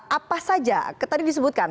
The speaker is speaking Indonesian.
apa saja tadi disebutkan